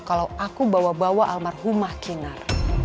kalau aku bawa bawa almarhumah kinar